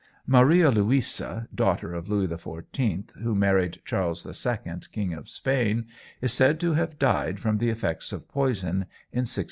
Maria Louisa, daughter of Louis XIV, who married Charles II, King of Spain, is said to have died from the effects of poison in 1689.